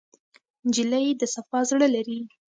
نجلۍ د صفا زړه لري.